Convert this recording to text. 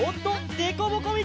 でこぼこみち！